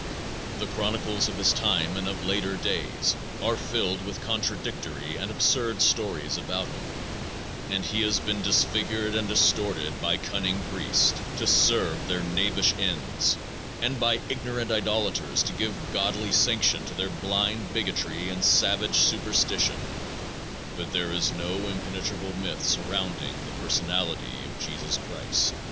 The chronicles of his time and of later days are filled with contradictory and absurd stories about him and he has been disfigured and distorted by cunning priests to serve their knavish ends and by ignorant idolaters to give godly sanction to their blind bigotry and savage superstition, but there is no impenetrable myth surrounding the personality of Jesus Christ.